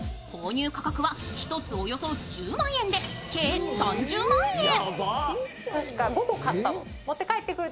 購入価格は１つおよそ１０万円で計３０万円。